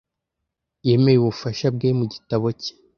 Yemeye ubufasha bwe mu gitabo cye.